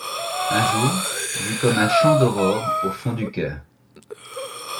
Un jour, j'eus comme un chant d'aurore au fond du coeur.